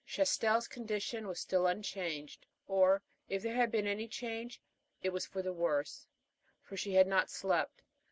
Chastel's condition was still unchanged, or, if there had been any change, it was for the worse, for she had not slept.